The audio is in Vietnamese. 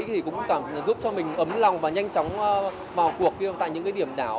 thì cũng giúp cho mình ấm lòng và nhanh chóng vào cuộc tại những điểm đảo